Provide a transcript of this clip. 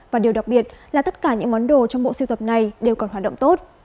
và điều đặc biệt là tất cả những món đồ trong bộ siêu tập này đều còn hoạt động tốt